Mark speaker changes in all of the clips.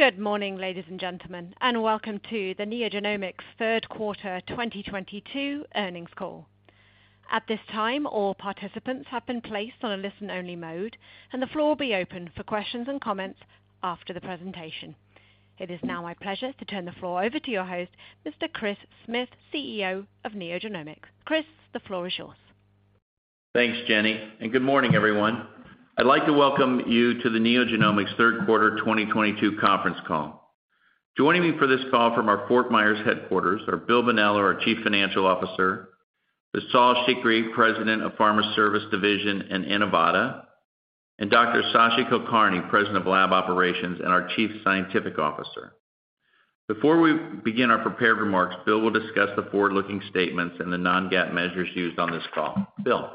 Speaker 1: Good morning, ladies and gentlemen, and welcome to the NeoGenomics third quarter 2022 earnings call. At this time, all participants have been placed on a listen-only mode, and the floor will be open for questions and comments after the presentation. It is now my pleasure to turn the floor over to your host, Mr. Chris Smith, CEO of NeoGenomics. Chris, the floor is yours.
Speaker 2: Thanks, Jenny, and good morning, everyone. I'd like to welcome you to the NeoGenomics third quarter 2022 conference call. Joining me for this call from our Fort Myers headquarters are Bill Bonello, our Chief Financial Officer, Vishal Sikri, President of Pharma Services Division and Inivata, and Dr. Shashi Kulkarni, President of Lab Operations and our Chief Scientific Officer. Before we begin our prepared remarks, Bill will discuss the forward-looking statements and the non-GAAP measures used on this call. Bill.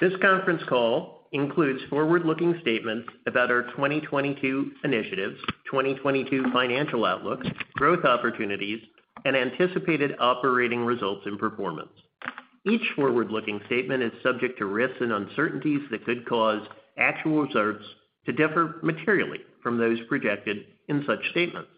Speaker 3: This conference call includes forward-looking statements about our 2022 initiatives, 2022 financial outlooks, growth opportunities, and anticipated operating results and performance. Each forward-looking statement is subject to risks and uncertainties that could cause actual results to differ materially from those projected in such statements.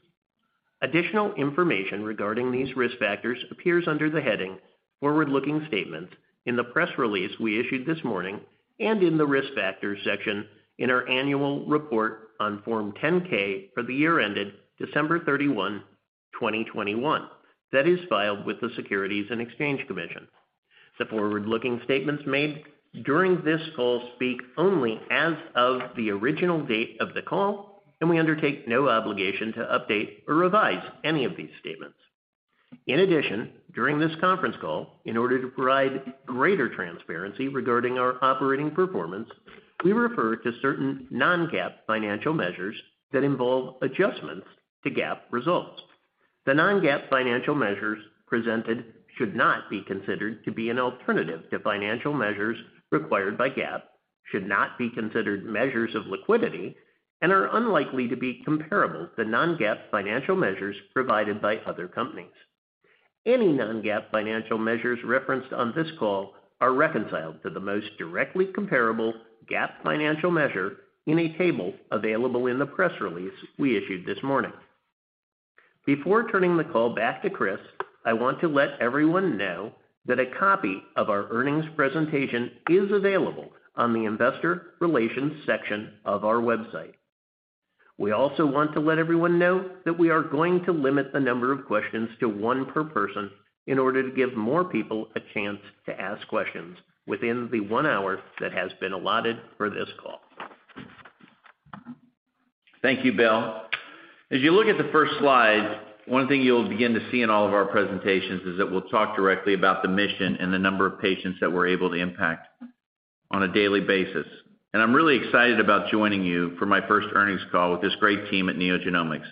Speaker 3: Additional information regarding these risk factors appears under the heading Forward-Looking Statements in the press release we issued this morning and in the Risk Factors section in our Annual Report on Form 10-K for the year ended December 31, 2021, that is filed with the Securities and Exchange Commission. The forward-looking statements made during this call speak only as of the original date of the call, and we undertake no obligation to update or revise any of these statements. During this conference call, in order to provide greater transparency regarding our operating performance, we refer to certain non-GAAP financial measures that involve adjustments to GAAP results. The non-GAAP financial measures presented should not be considered to be an alternative to financial measures required by GAAP, should not be considered measures of liquidity, and are unlikely to be comparable to non-GAAP financial measures provided by other companies. Any non-GAAP financial measures referenced on this call are reconciled to the most directly comparable GAAP financial measure in a table available in the press release we issued this morning. Before turning the call back to Chris, I want to let everyone know that a copy of our earnings presentation is available on the investor relations section of our website. We also want to let everyone know that we are going to limit the number of questions to one per person in order to give more people a chance to ask questions within the one hour that has been allotted for this call.
Speaker 2: Thank you, Bill. As you look at the first slide, one thing you'll begin to see in all of our presentations is that we'll talk directly about the mission and the number of patients that we're able to impact on a daily basis. I'm really excited about joining you for my first earnings call with this great team at NeoGenomics.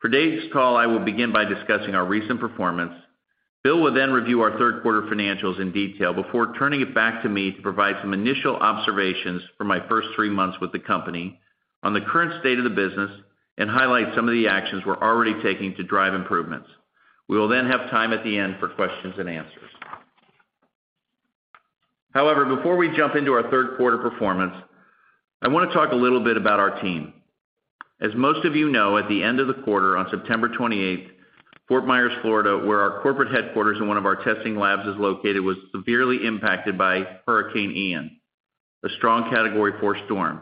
Speaker 2: For today's call, I will begin by discussing our recent performance. Bill will then review our third quarter financials in detail before turning it back to me to provide some initial observations for my first three months with the company on the current state of the business and highlight some of the actions we're already taking to drive improvements. We will then have time at the end for questions and answers. However, before we jump into our third quarter performance, I want to talk a little bit about our team. As most of you know, at the end of the quarter on September 28th, Fort Myers, Florida, where our corporate headquarters and one of our testing labs is located, was severely impacted by Hurricane Ian, a strong Category 4 storm.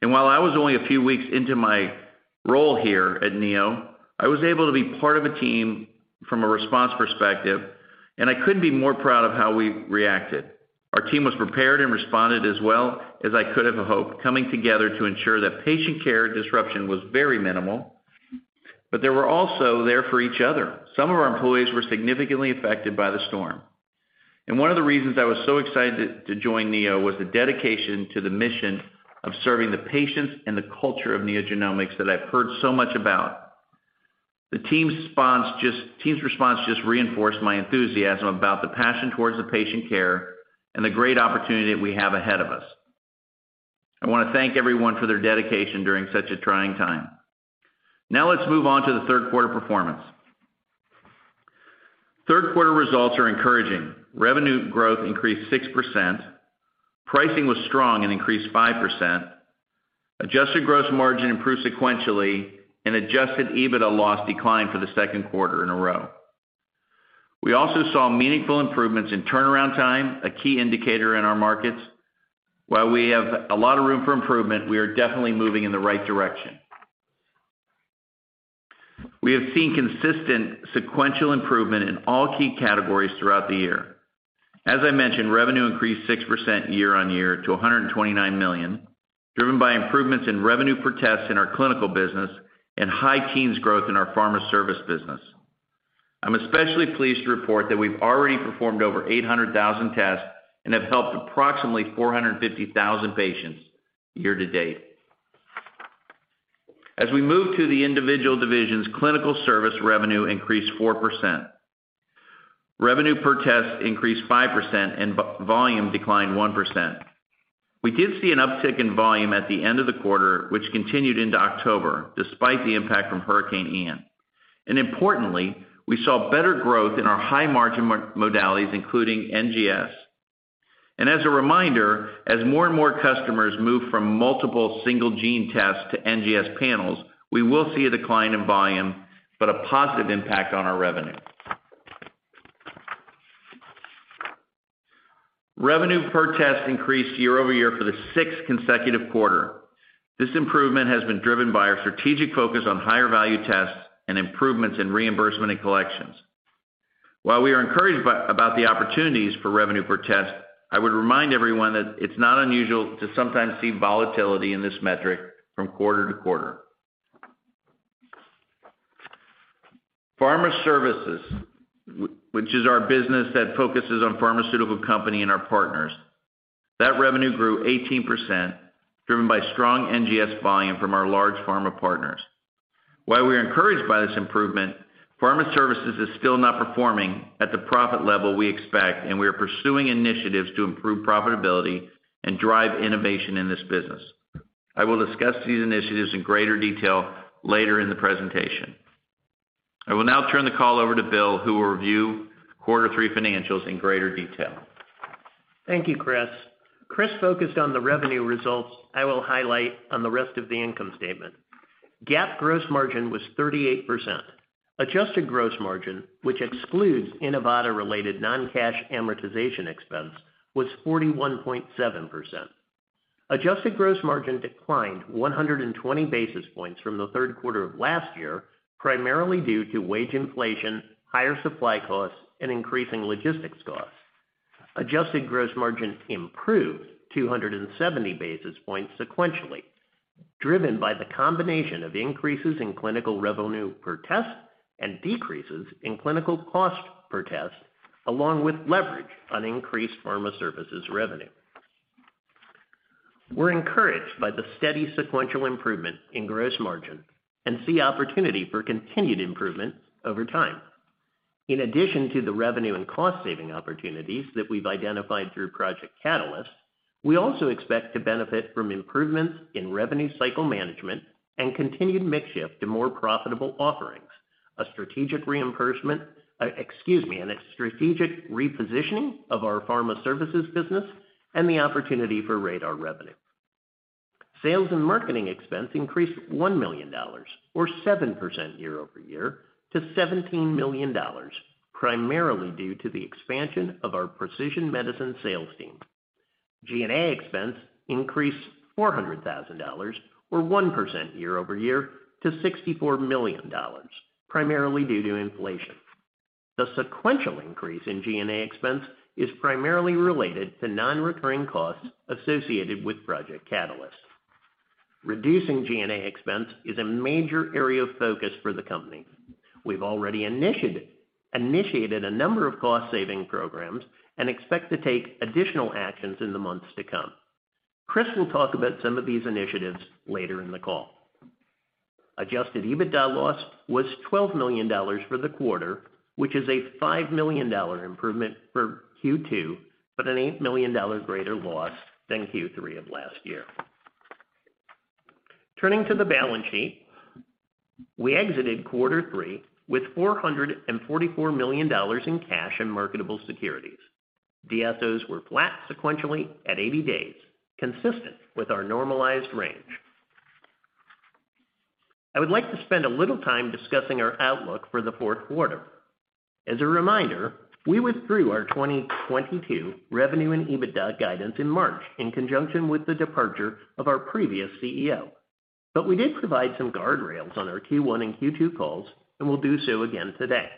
Speaker 2: While I was only a few weeks into my role here at Neo, I was able to be part of a team from a response perspective, and I couldn't be more proud of how we reacted. Our team was prepared and responded as well as I could have hoped, coming together to ensure that patient care disruption was very minimal, but they were also there for each other. Some of our employees were significantly affected by the storm. One of the reasons I was so excited to join Neo was the dedication to the mission of serving the patients and the culture of NeoGenomics that I've heard so much about. The team's response just reinforced my enthusiasm about the passion towards the patient care and the great opportunity that we have ahead of us. I want to thank everyone for their dedication during such a trying time. Now let's move on to the third quarter performance. Third quarter results are encouraging. Revenue growth increased 6%. Pricing was strong and increased 5%. Adjusted gross margin improved sequentially, and adjusted EBITDA loss declined for the second quarter in a row. We also saw meaningful improvements in turnaround time, a key indicator in our markets. While we have a lot of room for improvement, we are definitely moving in the right direction. We have seen consistent sequential improvement in all key categories throughout the year. As I mentioned, revenue increased 6% year-over-year to $129 million, driven by improvements in revenue per test in our clinical business and high teens growth in our Pharma Services business. I'm especially pleased to report that we've already performed over 800,000 tests and have helped approximately 450,000 patients year to date. As we move to the individual divisions, clinical service revenue increased 4%. Revenue per test increased 5%, and volume declined 1%. We did see an uptick in volume at the end of the quarter, which continued into October, despite the impact from Hurricane Ian. Importantly, we saw better growth in our high margin modalities, including NGS. As a reminder, as more and more customers move from multiple single-gene tests to NGS panels, we will see a decline in volume, but a positive impact on our revenue. Revenue per test increased year-over-year for the sixth consecutive quarter. This improvement has been driven by our strategic focus on higher-value tests and improvements in reimbursement and collections. While we are encouraged about the opportunities for revenue per test, I would remind everyone that it's not unusual to sometimes see volatility in this metric from quarter-to-quarter. Pharma Services, which is our business that focuses on pharmaceutical company and our partners, that revenue grew 18%, driven by strong NGS volume from our large Pharma partners. While we are encouraged by this improvement, Pharma Services is still not performing at the profit level we expect, and we are pursuing initiatives to improve profitability and drive innovation in this business. I will discuss these initiatives in greater detail later in the presentation. I will now turn the call over to Bill, who will review quarter three financials in greater detail.
Speaker 3: Thank you, Chris. Chris focused on the revenue results I will highlight on the rest of the income statement. GAAP gross margin was 38%. Adjusted gross margin, which excludes Inivata-related non-cash amortization expense, was 41.7%. Adjusted gross margin declined 120 basis points from the third quarter of last year, primarily due to wage inflation, higher supply costs, and increasing logistics costs. Adjusted gross margin improved 270 basis points sequentially, driven by the combination of increases in clinical revenue per test and decreases in clinical cost per test, along with leverage on increased Pharma Services revenue. We're encouraged by the steady sequential improvement in gross margin and see opportunity for continued improvement over time. In addition to the revenue and cost-saving opportunities that we've identified through Project Catalyst, we also expect to benefit from improvements in revenue cycle management and continued mix shift to more profitable offerings, a strategic reimbursement Excuse me. A strategic repositioning of our Pharma Services business and the opportunity for RaDaR revenue. Sales and marketing expense increased $1 million, or 7% year-over-year, to $17 million, primarily due to the expansion of our precision medicine sales team. G&A expense increased $400,000, or 1% year-over-year, to $64 million, primarily due to inflation. The sequential increase in G&A expense is primarily related to non-recurring costs associated with Project Catalyst. Reducing G&A expense is a major area of focus for the company. We've already initiated a number of cost-saving programs and expect to take additional actions in the months to come. Chris will talk about some of these initiatives later in the call. Adjusted EBITDA loss was $12 million for the quarter, which is a $5 million improvement for Q2, but an $8 million greater loss than Q3 of last year. Turning to the balance sheet, we exited quarter three with $444 million in cash and marketable securities. DSOs were flat sequentially at 80 days, consistent with our normalized range. I would like to spend a little time discussing our outlook for the fourth quarter. As a reminder, we withdrew our 2022 revenue and EBITDA guidance in March in conjunction with the departure of our previous CEO. We did provide some guardrails on our Q1 and Q2 calls and will do so again today.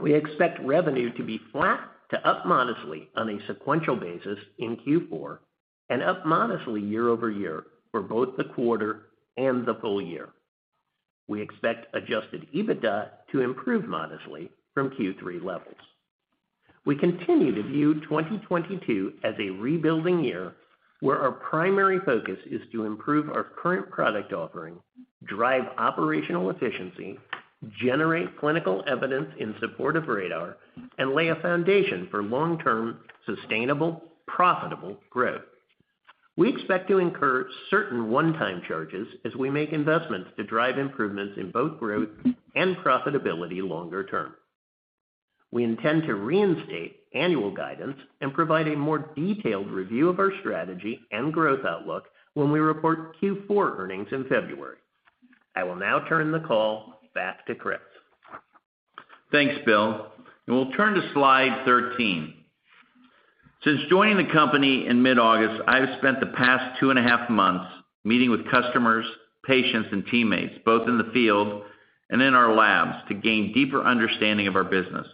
Speaker 3: We expect revenue to be flat to up modestly on a sequential basis in Q4 and up modestly year-over-year for both the quarter and the full year. We expect adjusted EBITDA to improve modestly from Q3 levels. We continue to view 2022 as a rebuilding year, where our primary focus is to improve our current product offering, drive operational efficiency, generate clinical evidence in support of RaDaR, and lay a foundation for long-term sustainable, profitable growth. We expect to incur certain one-time charges as we make investments to drive improvements in both growth and profitability longer term. We intend to reinstate annual guidance and provide a more detailed review of our strategy and growth outlook when we report Q4 earnings in February. I will now turn the call back to Chris.
Speaker 2: Thanks, Bill. We'll turn to slide 13. Since joining the company in mid-August, I have spent the past two and a half months meeting with customers, patients, and teammates, both in the field and in our labs, to gain deeper understanding of our business.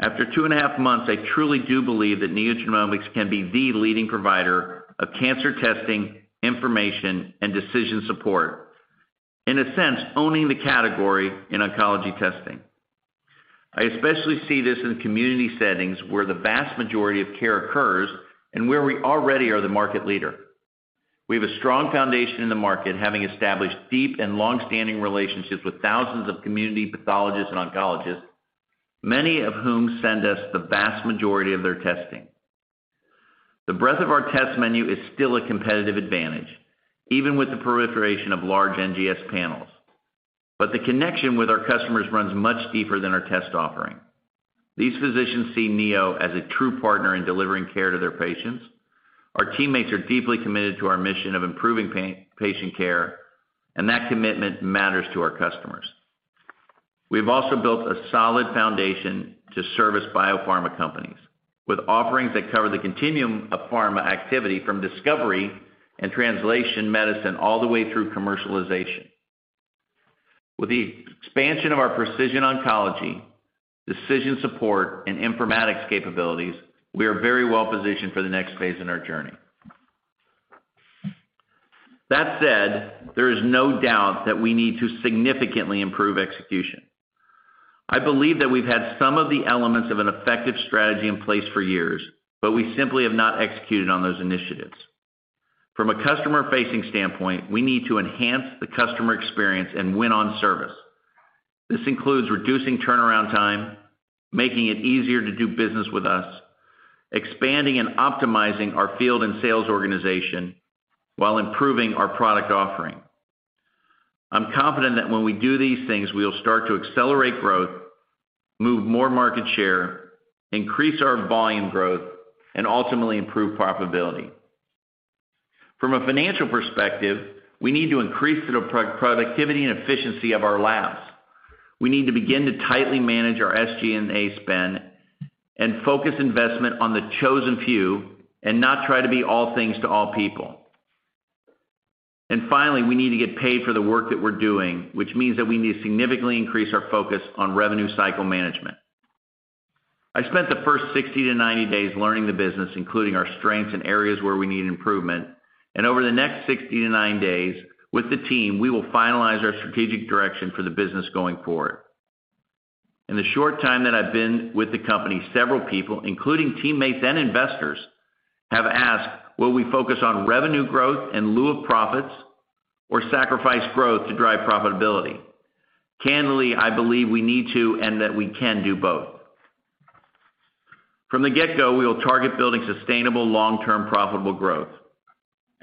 Speaker 2: After two and a half months, I truly do believe that NeoGenomics can be the leading provider of cancer testing, information, and decision support, in a sense, owning the category in oncology testing. I especially see this in community settings where the vast majority of care occurs and where we already are the market leader. We have a strong foundation in the market, having established deep and longstanding relationships with thousands of community pathologists and oncologists, many of whom send us the vast majority of their testing. The breadth of our test menu is still a competitive advantage, even with the proliferation of large NGS panels. The connection with our customers runs much deeper than our test offering. These physicians see Neo as a true partner in delivering care to their patients. Our teammates are deeply committed to our mission of improving patient care, and that commitment matters to our customers. We've also built a solid foundation to service biopharma companies with offerings that cover the continuum of pharma activity from discovery and translation medicine all the way through commercialization. With the expansion of our precision oncology, decision support, and informatics capabilities, we are very well-positioned for the next phase in our journey. That said, there is no doubt that we need to significantly improve execution. I believe that we've had some of the elements of an effective strategy in place for years, we simply have not executed on those initiatives. From a customer-facing standpoint, we need to enhance the customer experience and win on service. This includes reducing turnaround time, making it easier to do business with us, expanding and optimizing our field and sales organization while improving our product offering. I'm confident that when we do these things, we'll start to accelerate growth, move more market share, increase our volume growth, and ultimately improve profitability. From a financial perspective, we need to increase the productivity and efficiency of our labs. We need to begin to tightly manage our SG&A spend and focus investment on the chosen few and not try to be all things to all people. Finally, we need to get paid for the work that we're doing, which means that we need to significantly increase our focus on revenue cycle management. I spent the first 60 to 90 days learning the business, including our strengths and areas where we need improvement, and over the next 60 to 90 days, with the team, we will finalize our strategic direction for the business going forward. In the short time that I've been with the company, several people, including teammates and investors, have asked will we focus on revenue growth in lieu of profits or sacrifice growth to drive profitability? Candidly, I believe we need to and that we can do both. From the get-go, we will target building sustainable, long-term, profitable growth.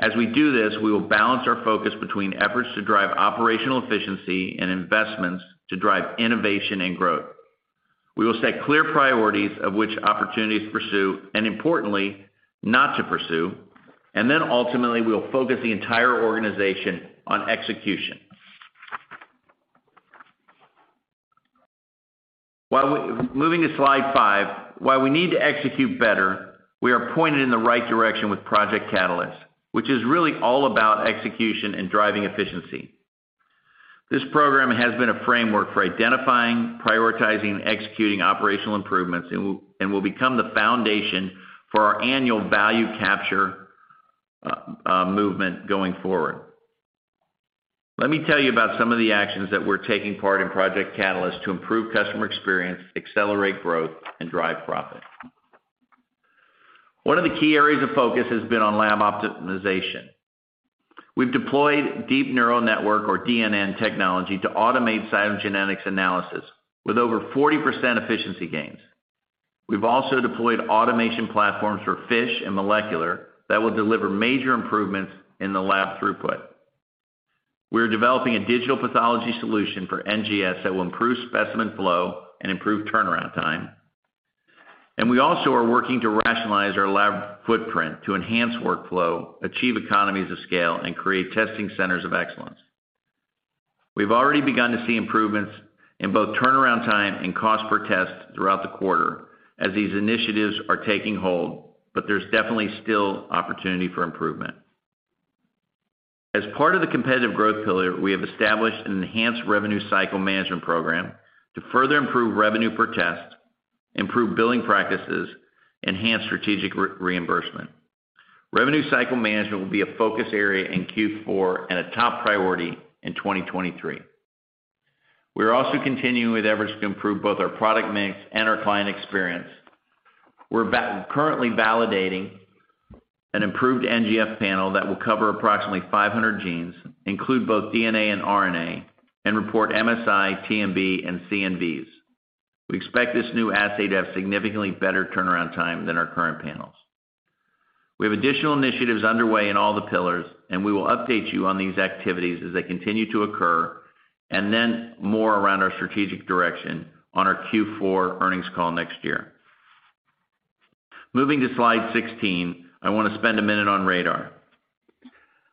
Speaker 2: As we do this, we will balance our focus between efforts to drive operational efficiency and investments to drive innovation and growth. We will set clear priorities of which opportunities to pursue and importantly, not to pursue, and then ultimately, we will focus the entire organization on execution. Moving to slide five, while we need to execute better, we are pointed in the right direction with Project Catalyst, which is really all about execution and driving efficiency. This program has been a framework for identifying, prioritizing, executing operational improvements and will become the foundation for our annual value capture movement going forward. Let me tell you about some of the actions that we're taking part in Project Catalyst to improve customer experience, accelerate growth, and drive profit. One of the key areas of focus has been on lab optimization. We've deployed deep neural network, or DNN technology, to automate cytogenetics analysis with over 40% efficiency gains. We've also deployed automation platforms for FISH and molecular that will deliver major improvements in the lab throughput. We're developing a digital pathology solution for NGS that will improve specimen flow and improve turnaround time. We also are working to rationalize our lab footprint to enhance workflow, achieve economies of scale, and create testing centers of excellence. We've already begun to see improvements in both turnaround time and cost per test throughout the quarter as these initiatives are taking hold, but there's definitely still opportunity for improvement. As part of the competitive growth pillar, we have established an enhanced revenue cycle management program to further improve revenue per test, improve billing practices, enhance strategic reimbursement. Revenue cycle management will be a focus area in Q4 and a top priority in 2023. We are also continuing with efforts to improve both our product mix and our client experience. We're currently validating an improved NGS panel that will cover approximately 500 genes, include both DNA and RNA, and report MSI, TMB, and CNVs. We expect this new assay to have significantly better turnaround time than our current panels. We have additional initiatives underway in all the pillars, and we will update you on these activities as they continue to occur, then more around our strategic direction on our Q4 earnings call next year. Moving to slide 16, I want to spend a minute on RaDaR.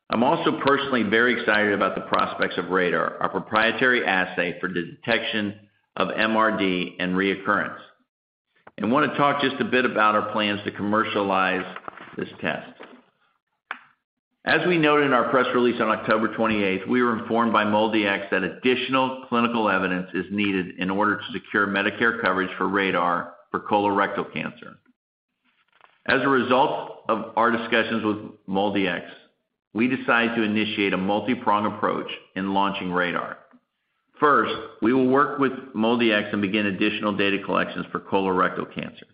Speaker 2: I'm also personally very excited about the prospects of RaDaR, our proprietary assay for detection of MRD and recurrence, and want to talk just a bit about our plans to commercialize this test. As we noted in our press release on October 28th, we were informed by MolDX that additional clinical evidence is needed in order to secure Medicare coverage for RaDaR for colorectal cancer. As a result of our discussions with MolDX, we decided to initiate a multi-prong approach in launching RaDaR. First, we will work with MolDX and begin additional data collections for colorectal cancer.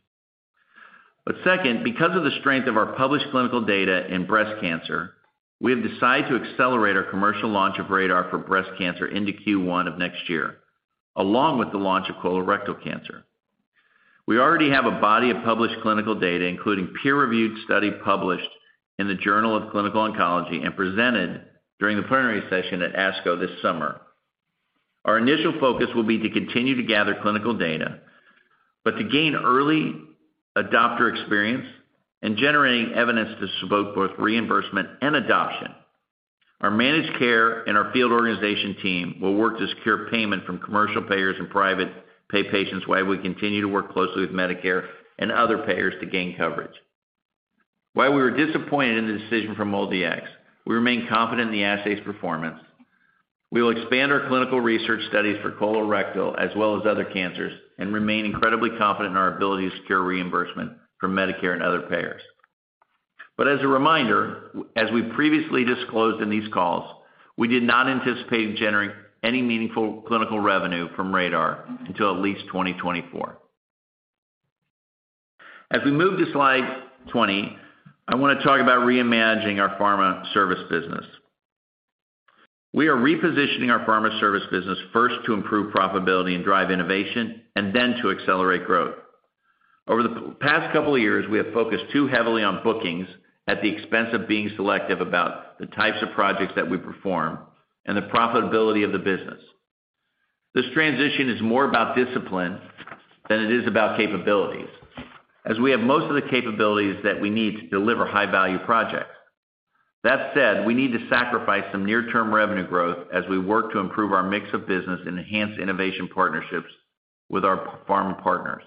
Speaker 2: Second, because of the strength of our published clinical data in breast cancer, we have decided to accelerate our commercial launch of RaDaR for breast cancer into Q1 of next year along with the launch of colorectal cancer. We already have a body of published clinical data, including peer-reviewed study published in the Journal of Clinical Oncology and presented during the plenary session at ASCO this summer. Our initial focus will be to continue to gather clinical data, but to gain early adopter experience and generating evidence to support both reimbursement and adoption. Our managed care and our field organization team will work to secure payment from commercial payers and private pay patients while we continue to work closely with Medicare and other payers to gain coverage. While we were disappointed in the decision from MolDX, we remain confident in the assay's performance. We will expand our clinical research studies for colorectal as well as other cancers, and remain incredibly confident in our ability to secure reimbursement from Medicare and other payers. As a reminder, as we previously disclosed in these calls, we did not anticipate generating any meaningful clinical revenue from RaDaR until at least 2024. As we move to slide 20, I want to talk about reimagining our Pharma Services business. We are repositioning our Pharma Services business first to improve profitability and drive innovation, then to accelerate growth. Over the past couple of years, we have focused too heavily on bookings at the expense of being selective about the types of projects that we perform and the profitability of the business. This transition is more about discipline than it is about capabilities, as we have most of the capabilities that we need to deliver high-value projects. That said, we need to sacrifice some near-term revenue growth as we work to improve our mix of business and enhance innovation partnerships with our pharma partners.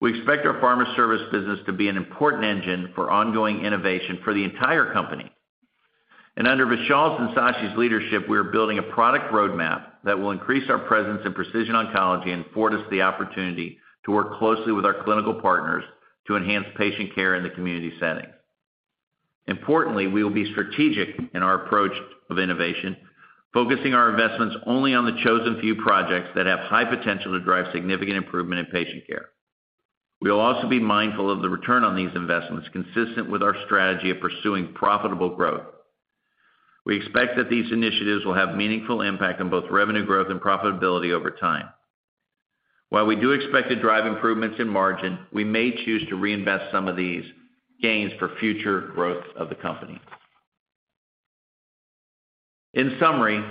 Speaker 2: We expect our Pharma Services business to be an important engine for ongoing innovation for the entire company. Under Vishal's and Sashi's leadership, we are building a product roadmap that will increase our presence in precision oncology and afford us the opportunity to work closely with our clinical partners to enhance patient care in the community setting. Importantly, we will be strategic in our approach of innovation, focusing our investments only on the chosen few projects that have high potential to drive significant improvement in patient care. We will also be mindful of the return on these investments consistent with our strategy of pursuing profitable growth. We expect that these initiatives will have meaningful impact on both revenue growth and profitability over time. While we do expect to drive improvements in margin, we may choose to reinvest some of these gains for future growth of the company. In summary,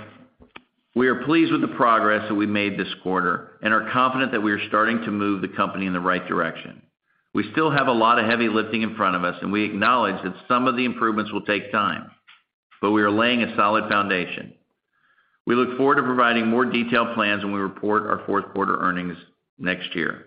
Speaker 2: we are pleased with the progress that we made this quarter and are confident that we are starting to move the company in the right direction. We still have a lot of heavy lifting in front of us, and we acknowledge that some of the improvements will take time, but we are laying a solid foundation. We look forward to providing more detailed plans when we report our fourth quarter earnings next year.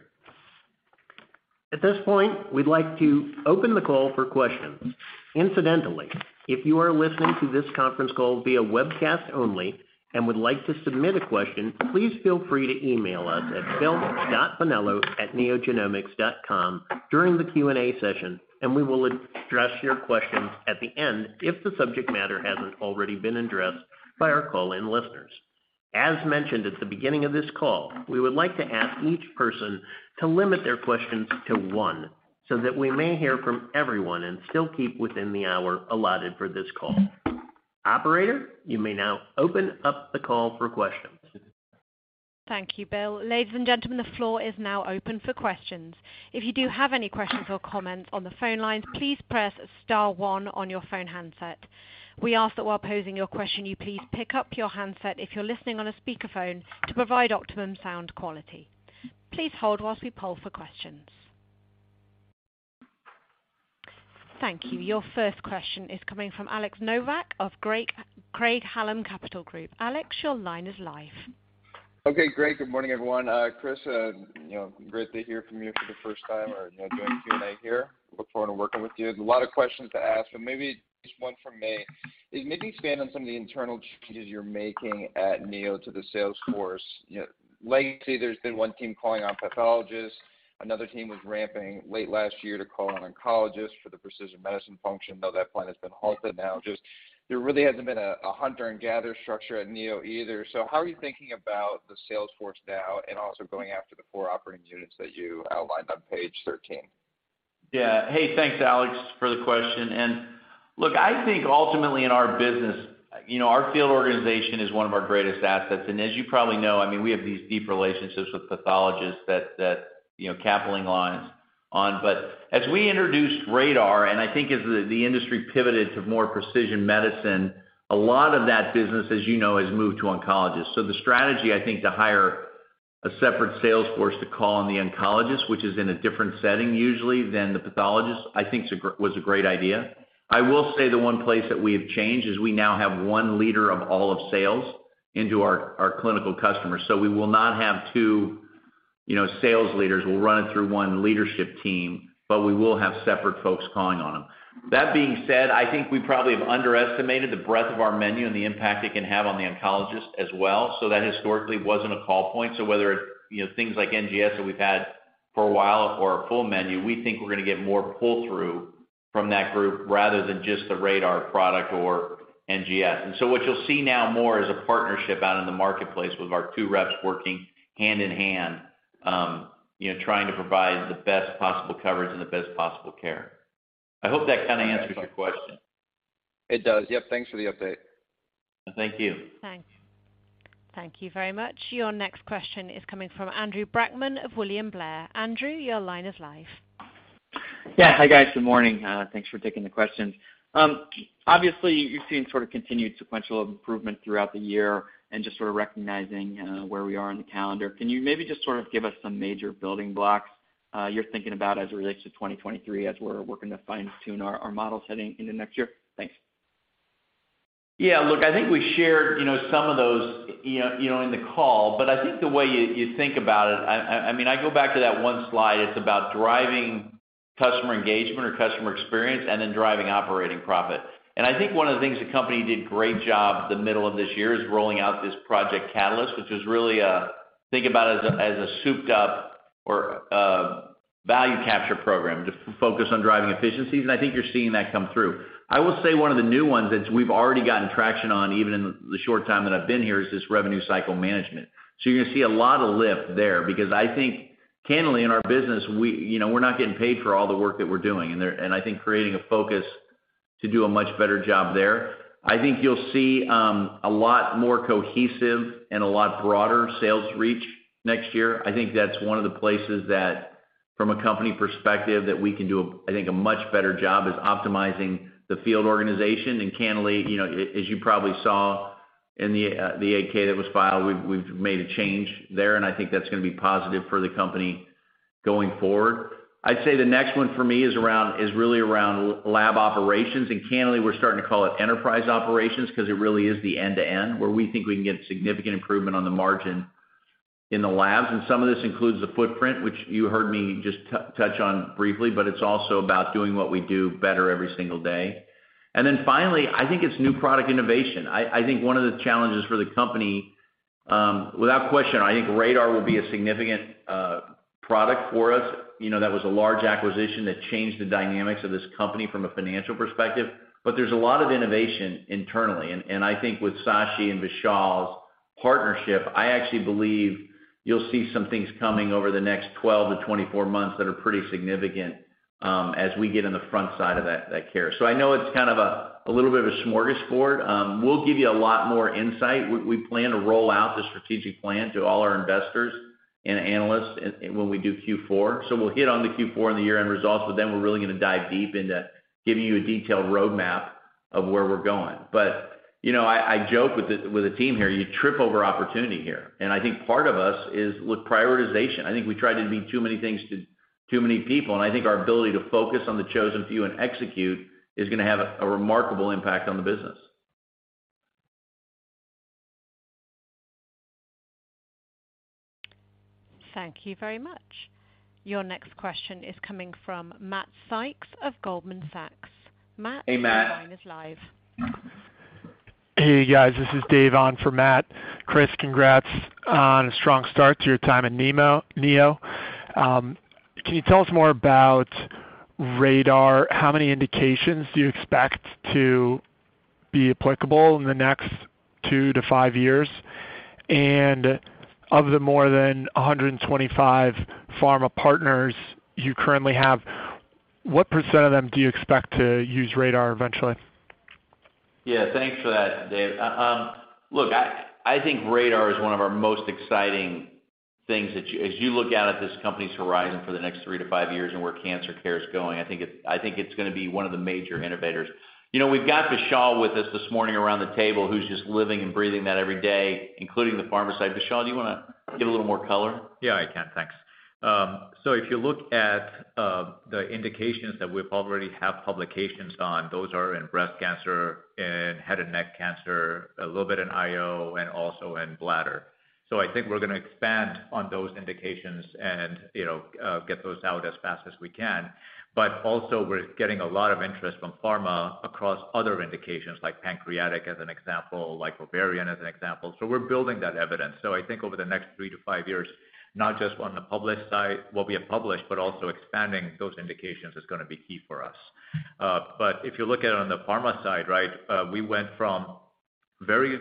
Speaker 3: At this point, we'd like to open the call for questions. Incidentally, if you are listening to this conference call via webcast only and would like to submit a question, please feel free to email us at bill.bonello@neogenomics.com during the Q&A session, we will address your questions at the end if the subject matter hasn't already been addressed by our call-in listeners. As mentioned at the beginning of this call, we would like to ask each person to limit their questions to one, so that we may hear from everyone and still keep within the hour allotted for this call. Operator, you may now open up the call for questions.
Speaker 1: Thank you, Bill. Ladies and gentlemen, the floor is now open for questions. If you do have any questions or comments on the phone lines, please press star one on your phone handset. We ask that while posing your question, you please pick up your handset if you're listening on a speakerphone to provide optimum sound quality. Please hold while we poll for questions. Thank you. Your first question is coming from Alexander Nowak of Craig-Hallum Capital Group. Alex, your line is live.
Speaker 4: Okay, great. Good morning, everyone. Chris, great to hear from you for the first time or doing Q&A here. Look forward to working with you. There's a lot of questions to ask, maybe just one from me. Maybe expand on some of the internal changes you're making at Neo to the sales force. Legacy, there's been one team calling on pathologists. Another team was ramping late last year to call on oncologists for the precision medicine function, though that plan has been halted now. Just there really hasn't been a hunter and gatherer structure at Neo either. How are you thinking about the sales force now and also going after the four operating units that you outlined on page 13?
Speaker 2: Yeah. Hey, thanks, Alex, for the question. Look, I think ultimately in our business, our field organization is one of our greatest assets. As you probably know, we have these deep relationships with pathologists that, capitalizing on. As we introduced RaDaR, and I think as the industry pivoted to more precision medicine, a lot of that business, as you know, has moved to oncologists. The strategy, I think, to hire a separate sales force to call on the oncologists, which is in a different setting usually than the pathologists, I think was a great idea. I will say the one place that we have changed is we now have one leader of all of sales into our clinical customers. We will not have two sales leaders. We'll run it through one leadership team, but we will have separate folks calling on them. That being said, I think we probably have underestimated the breadth of our menu and the impact it can have on the oncologist as well. That historically wasn't a call point. Whether it's things like NGS that we've had for a while or our full menu, we think we're going to get more pull-through from that group rather than just the RaDaR product or NGS. What you'll see now more is a partnership out in the marketplace with our two reps working hand in hand, trying to provide the best possible coverage and the best possible care. I hope that kind of answers your question.
Speaker 4: It does. Yep, thanks for the update.
Speaker 2: Thank you.
Speaker 1: Thanks. Thank you very much. Your next question is coming from Andrew Brackmann of William Blair. Andrew, your line is live.
Speaker 5: Yeah. Hi, guys. Good morning. Thanks for taking the questions. Obviously, you're seeing continued sequential improvement throughout the year and just recognizing where we are in the calendar. Can you maybe just give us some major building blocks you're thinking about as it relates to 2023 as we're working to fine-tune our model setting into next year? Thanks.
Speaker 2: Yeah, look, I think we shared some of those in the call. I think the way you think about it, I go back to that one slide, it's about driving customer engagement or customer experience and then driving operating profit. I think one of the things the company did a great job the middle of this year is rolling out this Project Catalyst, which was really, think about it as a souped-up or value capture program to focus on driving efficiencies. I think you're seeing that come through. I will say one of the new ones that we've already gotten traction on, even in the short time that I've been here, is this revenue cycle management. You're going to see a lot of lift there because I think candidly, in our business, we're not getting paid for all the work that we're doing, and I think creating a focus to do a much better job there. I think you'll see a lot more cohesive and a lot broader sales reach next year. I think that's one of the places that, from a company perspective, that we can do, I think, a much better job is optimizing the field organization. Candidly, as you probably saw in the 8-K that was filed, we've made a change there, and I think that's going to be positive for the company going forward. I'd say the next one for me is really around lab operations. Candidly, we're starting to call it enterprise operations because it really is the end-to-end where we think we can get significant improvement on the margin in the labs. Some of this includes the footprint, which you heard me just touch on briefly, but it's also about doing what we do better every single day. Finally, I think it's new product innovation. I think one of the challenges for the company, without question, I think RaDaR will be a significant product for us. That was a large acquisition that changed the dynamics of this company from a financial perspective. There's a lot of innovation internally. I think with Sashi and Vishal's partnership, I actually believe you'll see some things coming over the next 12 to 24 months that are pretty significant as we get on the front side of that care. I know it's kind of a little bit of a smorgasbord. We'll give you a lot more insight. We plan to roll out the strategic plan to all our investors and analysts when we do Q4. We'll hit on the Q4 and the year-end results, but then we're really going to dive deep into giving you a detailed roadmap of where we're going. I joke with the team here, you trip over opportunity here. I think part of us is with prioritization. I think we try to be too many things to too many people, and I think our ability to focus on the chosen few and execute is going to have a remarkable impact on the business.
Speaker 1: Thank you very much. Your next question is coming from Matt Sykes of Goldman Sachs. Matt,
Speaker 2: Hey, Matt.
Speaker 1: Your line is live.
Speaker 6: Hey, guys. This is Dave on for Matt. Chris, congrats on a strong start to your time at Neo. Can you tell us more about RaDaR? How many indications do you expect to be applicable in the next two to five years? Of the more than 125 pharma partners you currently have, what % of them do you expect to use RaDaR eventually?
Speaker 2: Thanks for that, Dave. Look, I think RaDaR is one of our most exciting things that as you look out at this company's horizon for the next three to five years and where cancer care is going, I think it's going to be one of the major innovators. We've got Vishal with us this morning around the table who's just living and breathing that every day, including the pharma side. Vishal, do you want to give a little more color?
Speaker 7: I can. Thanks. If you look at the indications that we already have publications on, those are in breast cancer, in head and neck cancer, a little bit in IO, and also in bladder. I think we're going to expand on those indications and get those out as fast as we can. Also we're getting a lot of interest from pharma across other indications, like pancreatic as an example, like ovarian as an example. We're building that evidence. I think over the next three to five years, not just on the published side, what we have published, but also expanding those indications is going to be key for us. If you look at it on the pharma side, we went from very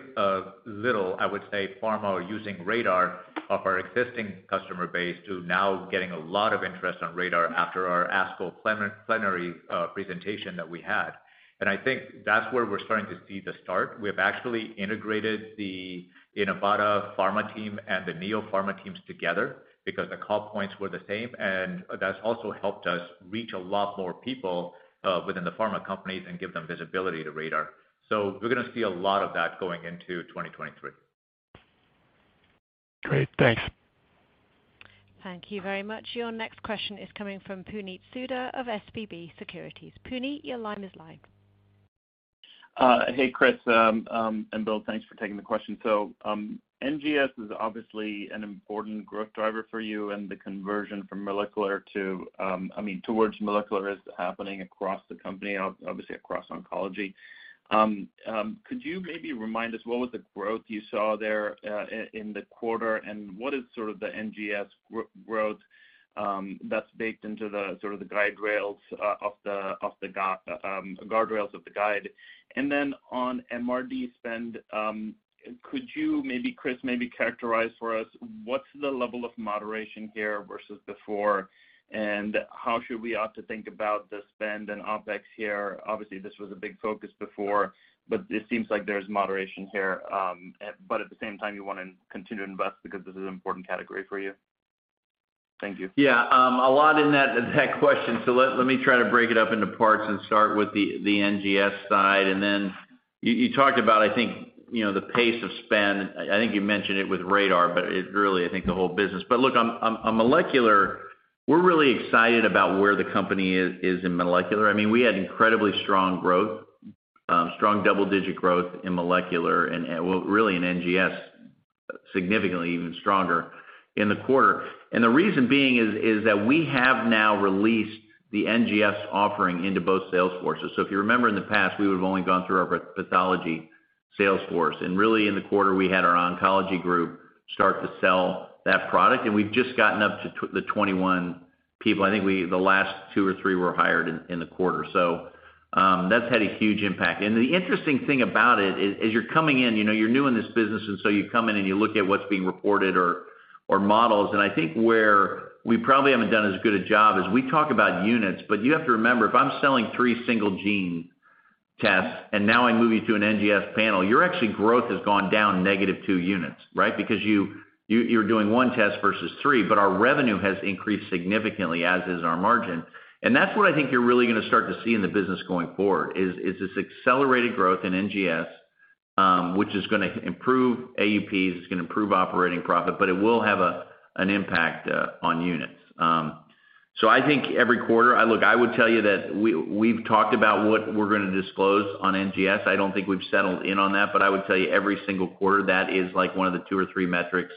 Speaker 7: little, I would say, pharma using RaDaR of our existing customer base to now getting a lot of interest on RaDaR after our ASCO plenary presentation that we had. I think that's where we're starting to see the start. We have actually integrated the Inivata pharma team and the Neo pharma teams together because the call points were the same, and that's also helped us reach a lot more people within the pharma companies and give them visibility to RaDaR. We're going to see a lot of that going into 2023.
Speaker 6: Great. Thanks.
Speaker 1: Thank you very much. Your next question is coming from Puneet Souda of SVB Securities. Puneet, your line is live.
Speaker 8: Hey, Chris and Bill, thanks for taking the question. NGS is obviously an important growth driver for you, and the conversion from molecular towards molecular is happening across the company, obviously across oncology. Could you maybe remind us what was the growth you saw there in the quarter, and what is sort of the NGS growth that's baked into the sort of the guardrails of the guide? Then on MRD spend, could you maybe, Chris, maybe characterize for us what's the level of moderation here versus before, and how should we ought to think about the spend and OpEx here? Obviously, this was a big focus before, but it seems like there's moderation here. At the same time, you want to continue to invest because this is an important category for you. Thank you.
Speaker 2: Yeah. A lot in that question. Let me try to break it up into parts and start with the NGS side. Then you talked about, I think, the pace of spend. I think you mentioned it with RaDaR, but it really, I think, the whole business. Look, on molecular, we're really excited about where the company is in molecular. We had incredibly strong growth, strong double-digit growth in molecular and, well, really in NGS, significantly even stronger in the quarter. The reason being is that we have now released the NGS offering into both sales forces. If you remember in the past, we would've only gone through our pathology sales force. Really in the quarter, we had our oncology group start to sell that product, and we've just gotten up to the 21 people. I think the last two or three were hired in the quarter. That's had a huge impact. The interesting thing about it is, as you're coming in, you're new in this business and you come in and you look at what's being reported or models. I think where we probably haven't done as good a job is we talk about units, but you have to remember, if I'm selling three single gene tests and now I move you to an NGS panel, your actually growth has gone down negative two units, right? Because you're doing one test versus three, but our revenue has increased significantly, as is our margin. That's what I think you're really going to start to see in the business going forward, is this accelerated growth in NGS, which is going to improve AUPs, it's going to improve operating profit, but it will have an impact on units. I think every quarter Look, I would tell you that we've talked about what we're going to disclose on NGS. I don't think we've settled in on that, but I would tell you every single quarter, that is one of the two or three metrics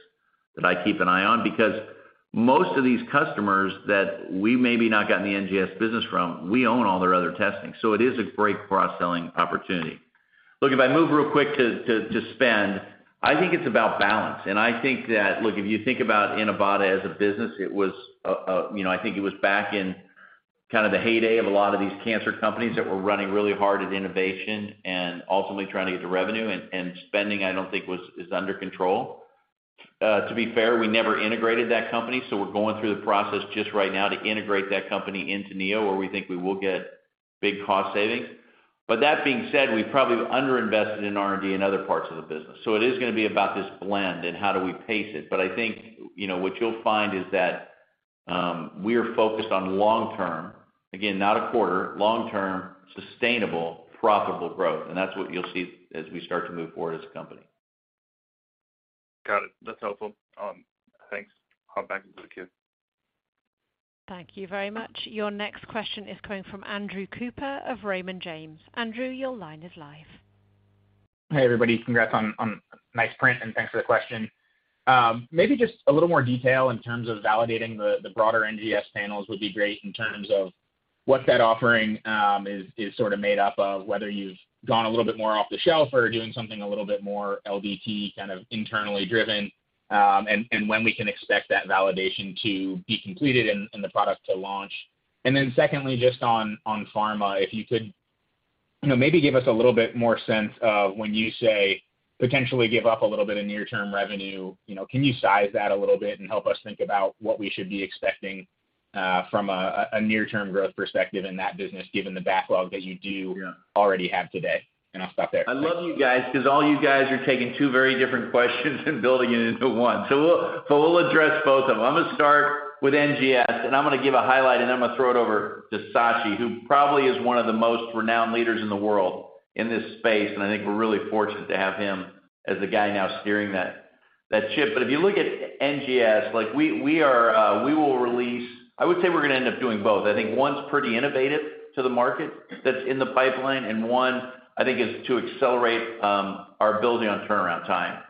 Speaker 2: that I keep an eye on, because most of these customers that we maybe not gotten the NGS business from, we own all their other testing. It is a great cross-selling opportunity. Look, if I move real quick to spend, I think it's about balance. I think that, look, if you think about Inivata as a business, I think it was back in kind of the heyday of a lot of these cancer companies that were running really hard at innovation and ultimately trying to get to revenue, and spending, I don't think is under control. To be fair, we never integrated that company, we're going through the process just right now to integrate that company into Neo, where we think we will get big cost savings. That being said, we probably under-invested in R&D in other parts of the business. It is going to be about this blend and how do we pace it. I think what you'll find is that we are focused on long-term, again, not a quarter, long-term, sustainable, profitable growth. That's what you'll see as we start to move forward as a company.
Speaker 8: Got it. That's helpful. Thanks. I'll hop back into the queue.
Speaker 1: Thank you very much. Your next question is coming from Andrew Cooper of Raymond James. Andrew, your line is live.
Speaker 9: Hey, everybody. Congrats on nice print. Thanks for the question. Maybe just a little more detail in terms of validating the broader NGS panels would be great in terms of what that offering is sort of made up of, whether you've gone a little bit more off the shelf or are doing something a little bit more LDT, kind of internally driven. When we can expect that validation to be completed and the product to launch. Secondly, just on Pharma, if you could maybe give us a little bit more sense of when you say potentially give up a little bit of near-term revenue. Can you size that a little bit and help us think about what we should be expecting from a near-term growth perspective in that business, given the backlog that you do already have today? I'll stop there.
Speaker 2: I love you guys because all you guys are taking two very different questions and building it into one. We'll address both of them. I'm going to start with NGS. I'm going to give a highlight. I'm going to throw it over to Sashi, who probably is one of the most renowned leaders in the world in this space. I think we're really fortunate to have him as the guy now steering that ship. If you look at NGS, we will release. I would say we're going to end up doing both. I think one's pretty innovative to the market that's in the pipeline, and one I think is to accelerate our ability on turnaround time.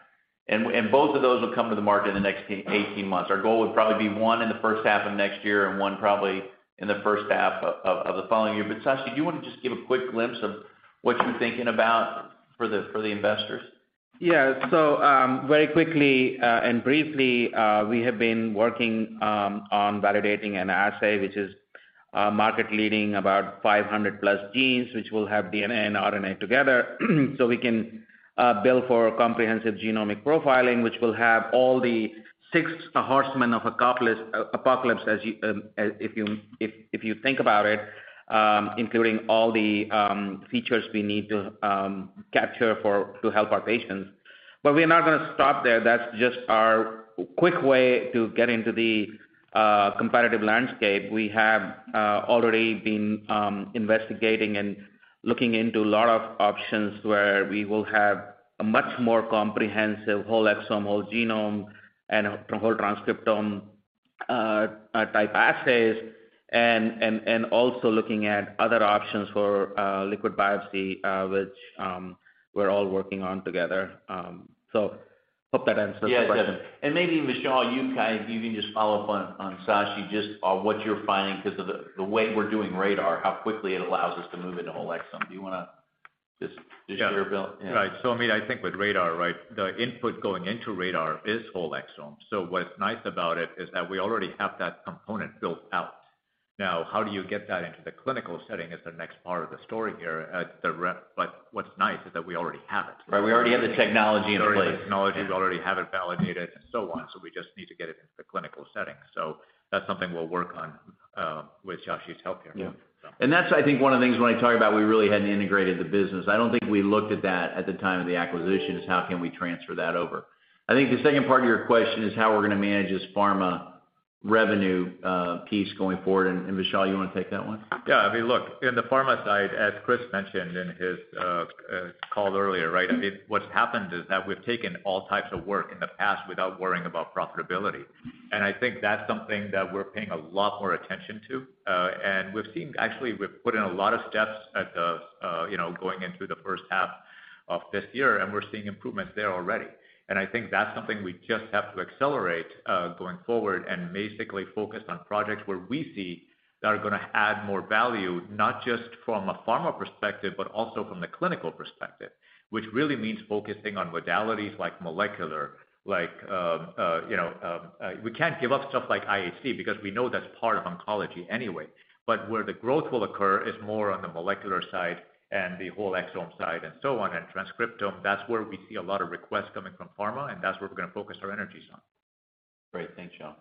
Speaker 2: Both of those will come to the market in the next 18 months. Our goal would probably be one in the first half of next year and one probably in the first half of the following year. Sashi, do you want to just give a quick glimpse of what you're thinking about for the investors?
Speaker 10: Yeah. Very quickly and briefly, we have been working on validating an assay, which is market leading about 500 plus genes, which will have DNA and RNA together. We can build for comprehensive genomic profiling, which will have all the six horsemen of apocalypse if you think about it, including all the features we need to capture to help our patients. We are not going to stop there. That's just our quick way to get into the competitive landscape. We have already been investigating and looking into a lot of options where we will have a much more comprehensive whole exome, whole genome, and whole transcriptome type assays, and also looking at other options for liquid biopsy which we're all working on together. Hope that answers the question.
Speaker 2: Yeah, it does. Maybe, Vishal, you can just follow up on Sashi, just on what you're finding because of the way we're doing RaDaR, how quickly it allows us to move into whole exome. Do you want to just share a bit?
Speaker 7: Yeah. I think with RaDaR, the input going into RaDaR is whole exome. What's nice about it is that we already have that component built out. Now, how do you get that into the clinical setting is the next part of the story here. What's nice is that we already have it.
Speaker 2: Right, we already have the technology in place.
Speaker 10: We already have the technology, we already have it validated, and so on. We just need to get it into the clinical setting. That's something we'll work on. With Vishal's help here.
Speaker 2: Yeah. That's, I think, one of the things when I talk about we really hadn't integrated the business. I don't think we looked at that at the time of the acquisition, is how can we transfer that over? I think the second part of your question is how we're going to manage this pharma revenue piece going forward. Vishal, you want to take that one?
Speaker 7: Yeah. Look, in the pharma side, as Chris mentioned in his call earlier, right, what's happened is that we've taken all types of work in the past without worrying about profitability. I think that's something that we're paying a lot more attention to. We've seen, actually, we've put in a lot of steps going into the first half of this year, and we're seeing improvements there already. I think that's something we just have to accelerate, going forward and basically focus on projects where we see that are going to add more value, not just from a pharma perspective, but also from the clinical perspective, which really means focusing on modalities like molecular. We can't give up stuff like IHC, because we know that's part of oncology anyway. Where the growth will occur is more on the molecular side and the whole exome side and so on, and transcriptome. That's where we see a lot of requests coming from pharma, and that's where we're going to focus our energies on.
Speaker 2: Great. Thanks, Vishal.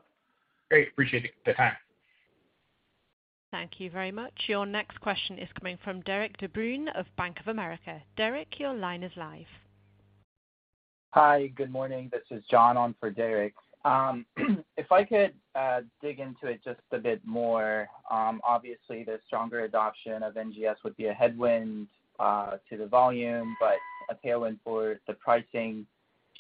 Speaker 9: Great. Appreciate you for the time.
Speaker 1: Thank you very much. Your next question is coming from Derek DeBruin of Bank of America. Derek, your line is live.
Speaker 11: Hi. Good morning. This is John on for Derek. If I could, dig into it just a bit more. Obviously, the stronger adoption of NGS would be a headwind to the volume, but a tailwind for the pricing.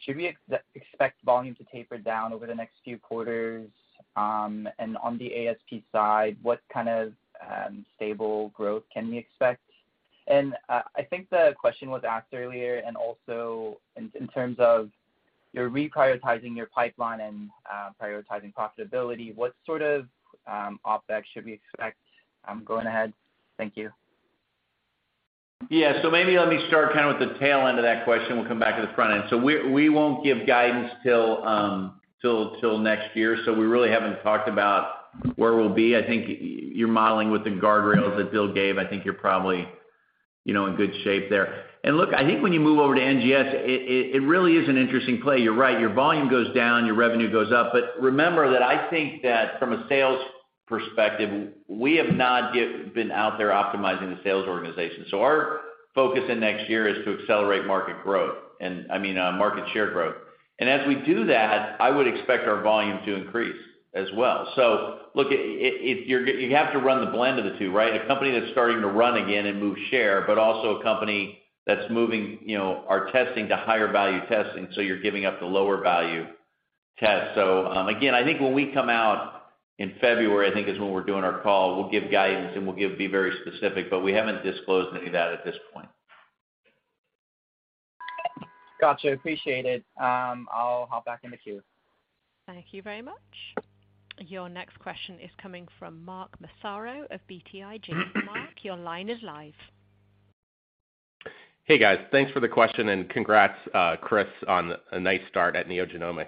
Speaker 11: Should we expect volume to taper down over the next few quarters? On the ASP side, what kind of stable growth can we expect? I think the question was asked earlier and also in terms of you're reprioritizing your pipeline and prioritizing profitability, what sort of OpEx should we expect going ahead? Thank you.
Speaker 2: Yeah. Maybe let me start with the tail end of that question. We'll come back to the front end. We won't give guidance till next year, we really haven't talked about where we'll be. I think you're modeling with the guardrails that Bill gave. I think you're probably in good shape there. Look, I think when you move over to NGS, it really is an interesting play. You're right, your volume goes down, your revenue goes up. Remember that I think that from a sales perspective, we have not yet been out there optimizing the sales organization. Our focus in next year is to accelerate market growth. I mean, market share growth. As we do that, I would expect our volume to increase as well. Look, you have to run the blend of the two, right? A company that's starting to run again and move share, but also a company that's moving our testing to higher value testing, so you're giving up the lower value test. Again, I think when we come out in February, I think is when we're doing our call, we'll give guidance and we'll be very specific, but we haven't disclosed any of that at this point.
Speaker 11: Got you. Appreciate it. I'll hop back in the queue.
Speaker 1: Thank you very much. Your next question is coming from Mark Massaro of BTIG. Mark, your line is live.
Speaker 12: Hey, guys. Thanks for the question and congrats, Chris, on a nice start at NeoGenomics.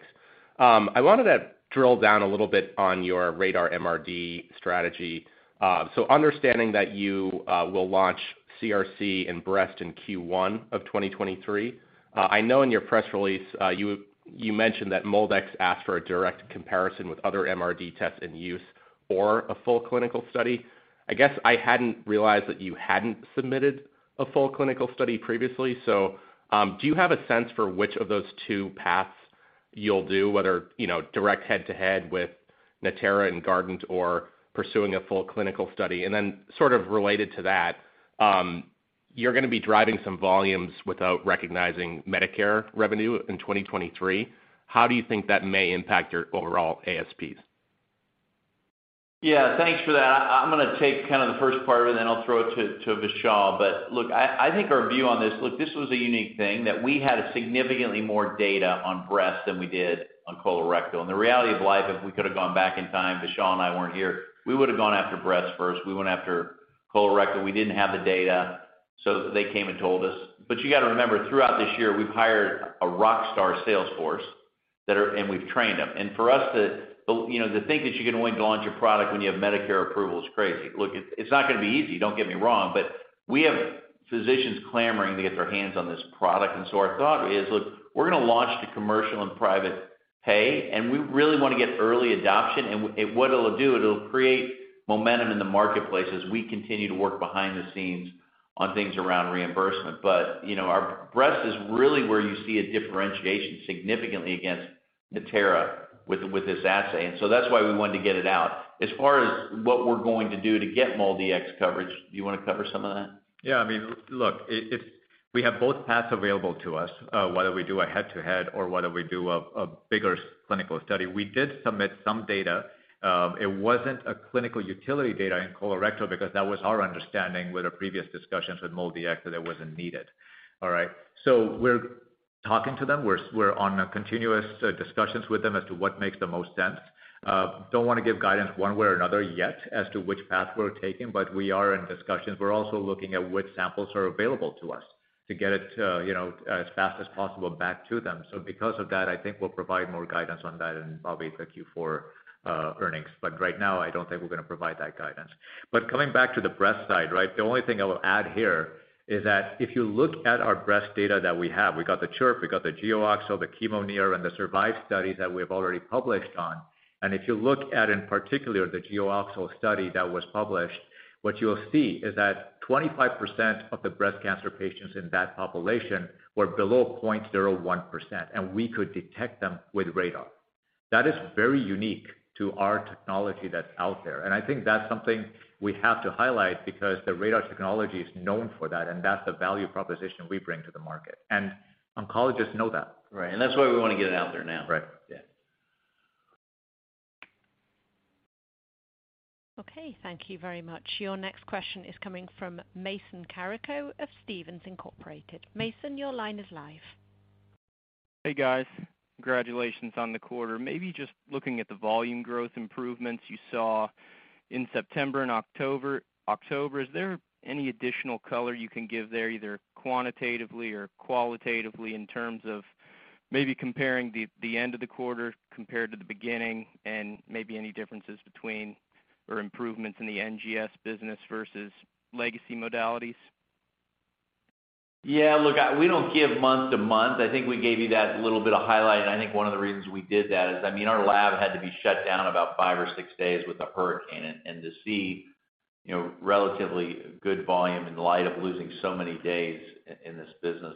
Speaker 12: I wanted to drill down a little bit on your RaDaR-MRD strategy. Understanding that you will launch CRC and breast in Q1 of 2023, I know in your press release, you mentioned that MolDX asked for a direct comparison with other MRD tests in use or a full clinical study. I guess I hadn't realized that you hadn't submitted a full clinical study previously. Do you have a sense for which of those two paths you'll do, whether direct head-to-head with Natera and Guardant or pursuing a full clinical study? Sort of related to that, you're going to be driving some volumes without recognizing Medicare revenue in 2023. How do you think that may impact your overall ASPs?
Speaker 2: Thanks for that. I'm going to take the first part of it and then I'll throw it to Vishal. Look, I think our view on this, look, this was a unique thing that we had significantly more data on breast than we did on colorectal. The reality of life, if we could have gone back in time, Vishal and I weren't here, we would've gone after breast first. We went after colorectal. We didn't have the data, so they came and told us. You got to remember, throughout this year, we've hired a rockstar sales force and we've trained them. For us, to think that you can only go launch a product when you have Medicare approval is crazy. Look, it's not going to be easy, don't get me wrong, but we have physicians clamoring to get their hands on this product. Our thought is, look, we're going to launch to commercial and private pay, and we really want to get early adoption. What it'll do, it'll create momentum in the marketplace as we continue to work behind the scenes on things around reimbursement. Our breast is really where you see a differentiation significantly against Natera with this assay. That's why we wanted to get it out. As far as what we're going to do to get MolDX coverage, do you want to cover some of that?
Speaker 7: Look, we have both paths available to us, whether we do a head-to-head or whether we do a bigger clinical study. We did submit some data. It wasn't a clinical utility data in colorectal because that was our understanding with our previous discussions with MolDX that it wasn't needed. All right? We're talking to them. We're on continuous discussions with them as to what makes the most sense. Don't want to give guidance one way or another yet as to which path we're taking, but we are in discussions. We're also looking at which samples are available to us to get it as fast as possible back to them. Because of that, I think we'll provide more guidance on that in probably the Q4 earnings, but right now I don't think we're going to provide that guidance. Coming back to the breast side, right? The only thing I will add here is that if you look at our breast data that we have, we got the CHIRP, we got the AXL, the chemo-refractory and the SURVIVE studies that we have already published on, and if you look at, in particular, the AXL study that was published, what you'll see is that 25% of the breast cancer patients in that population were below 0.01%, and we could detect them with RaDaR. That is very unique to our technology that's out there. I think that's something we have to highlight because the RaDaR technology is known for that, and that's the value proposition we bring to the market. Oncologists know that.
Speaker 2: Right. That's why we want to get it out there now.
Speaker 7: Right.
Speaker 2: Yeah.
Speaker 1: Okay, thank you very much. Your next question is coming from Mason Carrico of Stephens Inc. Mason, your line is live.
Speaker 13: Hey, guys. Congratulations on the quarter. Maybe just looking at the volume growth improvements you saw in September and October. Is there any additional color you can give there, either quantitatively or qualitatively in terms of maybe comparing the end of the quarter compared to the beginning, and maybe any differences between or improvements in the NGS business versus legacy modalities?
Speaker 2: Yeah, look, we don't give month to month. I think we gave you that little bit of highlight, and I think one of the reasons we did that is, I mean, our lab had to be shut down about five or six days with the hurricane and to see relatively good volume in light of losing so many days in this business.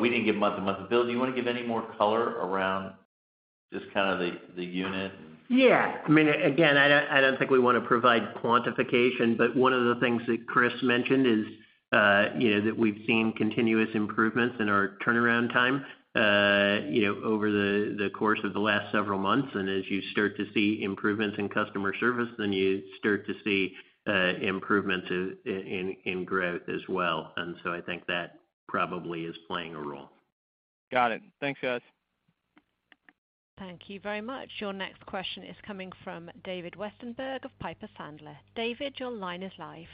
Speaker 2: We didn't give month to month. Bill, do you want to give any more color around just the unit and
Speaker 3: Yeah, I mean, again, I don't think we want to provide quantification, but one of the things that Chris mentioned is that we've seen continuous improvements in our turnaround time over the course of the last several months. As you start to see improvements in customer service, you start to see improvements in growth as well. I think that probably is playing a role.
Speaker 13: Got it. Thanks, guys.
Speaker 1: Thank you very much. Your next question is coming from David Westenberg of Piper Sandler. David, your line is live.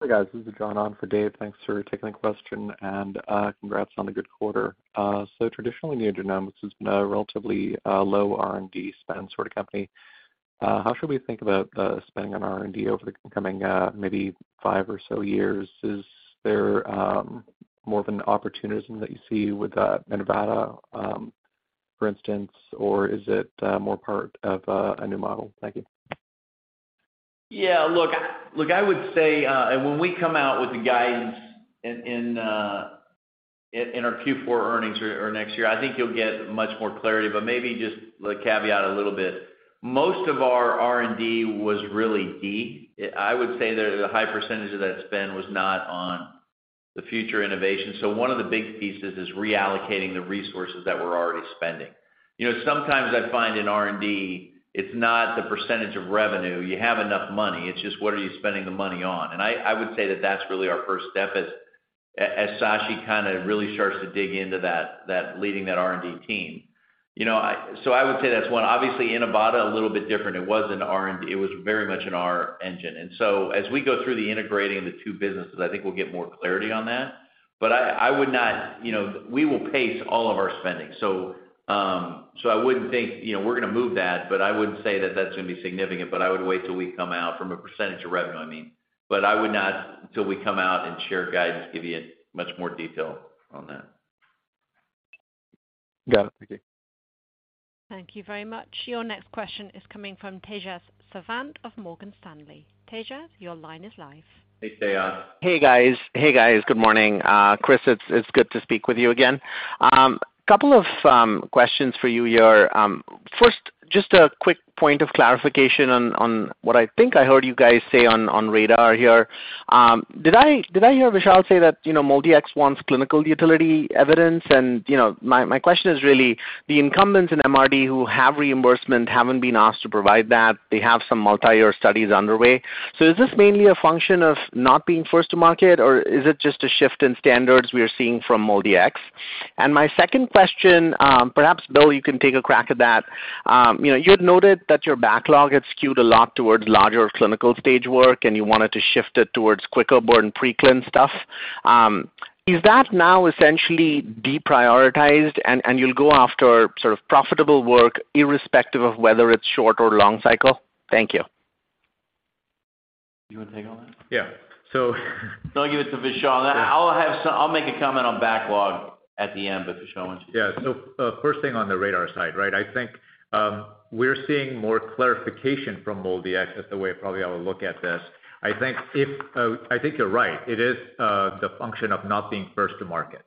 Speaker 14: Hey, guys. This is John on for Dave. Thanks for taking the question and congrats on the good quarter. Traditionally, NeoGenomics has been a relatively low R&D spend sort of company. How should we think about the spending on R&D over the coming, maybe five or so years? Is there more of an opportunism that you see with Inivata, for instance, or is it more part of a new model? Thank you.
Speaker 2: I would say when we come out with the guidance in our Q4 earnings or next year, I think you'll get much more clarity. Maybe just caveat a little bit. Most of our R&D was really D. I would say that a high percentage of that spend was not on the future innovation. One of the big pieces is reallocating the resources that we're already spending. Sometimes I find in R&D, it's not the percentage of revenue. You have enough money, it's just what are you spending the money on? I would say that that's really our first step as Sashi kind of really starts to dig into leading that R&D team. I would say that's one. Obviously, Inivata, a little bit different. It was very much an R engine. As we go through the integrating of the two businesses, I think we'll get more clarity on that. We will pace all of our spending. I wouldn't think we're going to move that, but I wouldn't say that that's going to be significant. I would wait till we come out from a percentage of revenue, I mean. I would not, till we come out and share guidance, give you much more detail on that.
Speaker 14: Got it. Thank you.
Speaker 1: Thank you very much. Your next question is coming from Tejas Savant of Morgan Stanley. Tejas, your line is live.
Speaker 2: Hey, Tejas.
Speaker 15: Hey, guys. Good morning. Chris, it's good to speak with you again. Couple of questions for you here. First, just a quick point of clarification on what I think I heard you guys say on RaDaR here. Did I hear Vishal say that MolDX wants clinical utility evidence? My question is really the incumbents in MRD who have reimbursement haven't been asked to provide that. They have some multi-year studies underway. Is this mainly a function of not being first to market, or is it just a shift in standards we are seeing from MolDX? My second question, perhaps, Bill, you can take a crack at that. You had noted that your backlog had skewed a lot towards larger clinical stage work, and you wanted to shift it towards quicker burn pre-clin stuff. Is that now essentially deprioritized, and you'll go after sort of profitable work irrespective of whether it's short or long cycle? Thank you.
Speaker 7: You want to take all that? Yeah.
Speaker 2: I'll give it to Vishal. I'll make a comment on backlog at the end. Vishal, why don't you take that?
Speaker 7: Yeah. First thing on the RaDaR side, right? I think we're seeing more clarification from MolDX as the way I probably ought to look at this. I think you're right. It is the function of not being first to market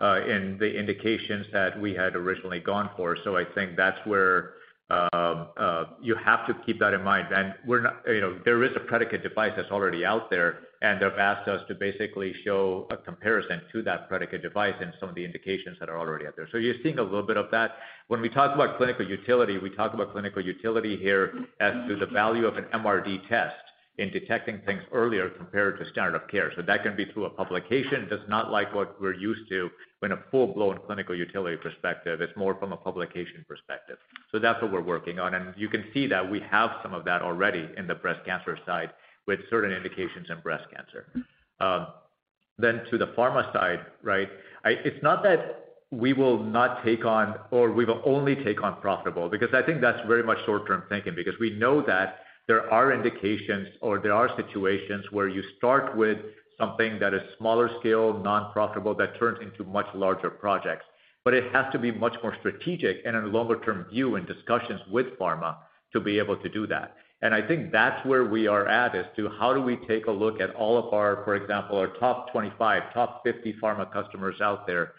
Speaker 7: in the indications that we had originally gone for. I think that's where you have to keep that in mind. There is a predicate device that's already out there, and they've asked us to basically show a comparison to that predicate device and some of the indications that are already out there. You're seeing a little bit of that. When we talk about clinical utility, we talk about clinical utility here as to the value of an MRD test in detecting things earlier compared to standard of care. That can be through a publication. That's not like what we're used to in a full-blown clinical utility perspective. It's more from a publication perspective. That's what we're working on, and you can see that we have some of that already in the breast cancer side with certain indications in breast cancer. To the Pharma side, it's not that we will not take on or we will only take on profitable, because I think that's very much short-term thinking, because we know that there are indications or there are situations where you start with something that is smaller scale, non-profitable, that turns into much larger projects. It has to be much more strategic and a longer-term view in discussions with Pharma to be able to do that. I think that's where we are at as to how do we take a look at all of our, for example, our top 25, top 50 pharma customers out there,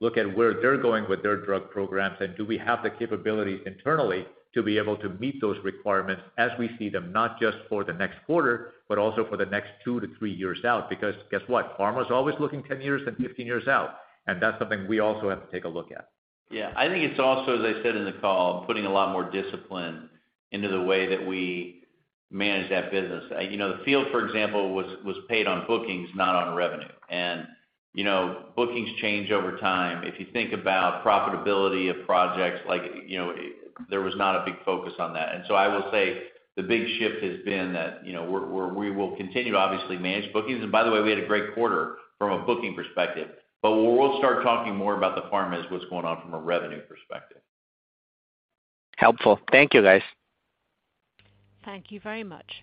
Speaker 7: look at where they're going with their drug programs and do we have the capabilities internally to be able to meet those requirements as we see them, not just for the next quarter, but also for the next two to three years out, because guess what? pharma's always looking 10 years and 15 years out, that's something we also have to take a look at.
Speaker 2: Yeah. I think it's also, as I said in the call, putting a lot more discipline into the way that we manage that business. The field, for example, was paid on bookings, not on revenue. Bookings change over time. If you think about profitability of projects, there was not a big focus on that. I will say the big shift has been that we will continue to obviously manage bookings. By the way, we had a great quarter from a booking perspective. We'll start talking more about the pharma is what's going on from a revenue perspective.
Speaker 15: Helpful. Thank you, guys.
Speaker 1: Thank you very much.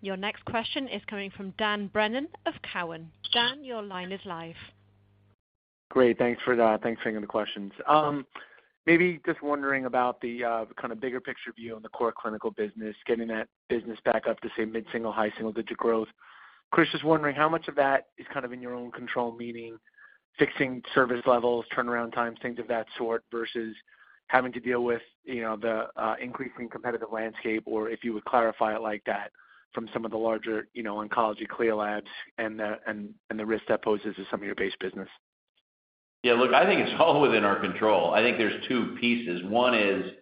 Speaker 1: Your next question is coming from Dan Brennan of Cowen. Dan, your line is live.
Speaker 16: Great. Thanks for that. Thanks for taking the questions. Maybe just wondering about the kind of bigger picture view on the core clinical business, getting that business back up to, say, mid-single, high double-digit growth. Chris, just wondering how much of that is kind of in your own control, meaning fixing service levels, turnaround times, things of that sort, versus having to deal with the increasing competitive landscape or if you would clarify it like that from some of the larger oncology CLIA labs and the risk that poses to some of your base business.
Speaker 2: Yeah, look, I think it's all within our control. I think there's two pieces. One is,